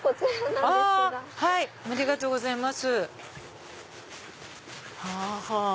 ありがとうございます。